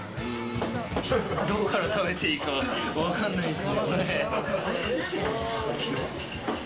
どこから食べていいかわかんないっす。